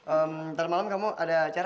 eh ntar malam kamu ada acara